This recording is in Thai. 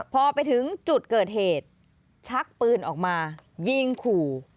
พอไปถึงจุดเกิดเหตุชักปืนออกมายิงขู่